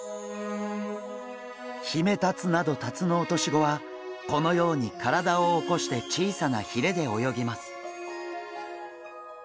ヒメタツなどタツノオトシゴはこのように体を起こして小さなひれで泳ぎます。